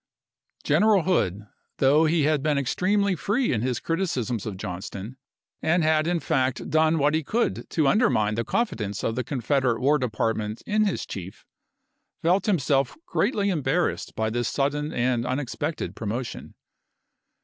General Hood, though he had been extremely free in his criticisms of Johnston, and had in fact done what he could to undermine the confidence of the Confederate War Department in his chief, felt himself greatly embarrassed by this sudden and unexpected promotion.